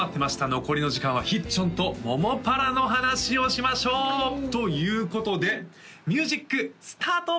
残りの時間はひっちょんと桃パラの話をしましょう！ということでミュージックスタート！